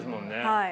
はい。